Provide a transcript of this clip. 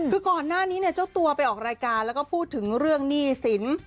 คือก่อนหน้านี้เนี่ยเจ้าตัวไปออกรายการแล้วก็พูดถึงเรื่องหนี้สิน